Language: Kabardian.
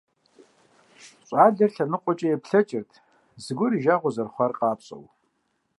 Щӏалэр лъэныкъуэкӏэ еплъэкӏырт, зыгуэр и жагъуэ зэрыхъуар къапщӀэу.